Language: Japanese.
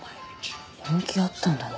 人気あったんだな。